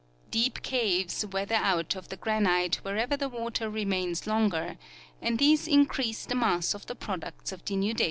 Deep caves weather out of the granite wherever the water remains longer, and these increase the mass of the products of denudation.